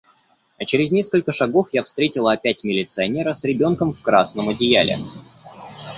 А через несколько шагов я встретила опять милиционера с ребёнком в красном одеяле.